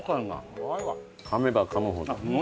かめばかむほど。